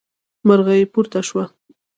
مرغۍ پورته شوه.